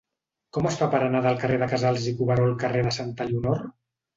Com es fa per anar del carrer de Casals i Cuberó al carrer de Santa Elionor?